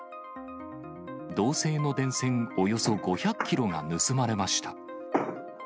銅製の電線およそ５００キロが盗まれました。